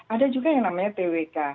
ada juga yang namanya twk